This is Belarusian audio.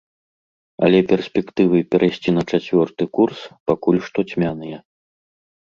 Але перспектывы перайсці на чацвёрты курс пакуль што цьмяныя.